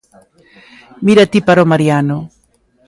Mira ti para o Mariano.